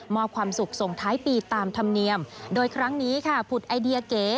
ความสุขส่งท้ายปีตามธรรมเนียมโดยครั้งนี้ค่ะผุดไอเดียเก๋